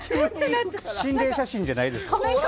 心霊写真じゃないです。